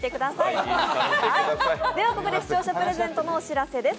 ではここで視聴者プレゼントのお知らせです。